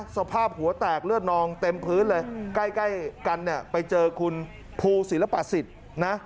สภาพหัวแตกเลือดนองเต็มพื้นเลยใกล้กันเนี่ยไปเจอคุณภูศิลปสิทธิ์นะ